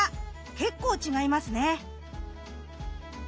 結構違いますね。